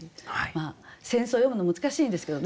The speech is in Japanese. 戦争を詠むの難しいんですけどね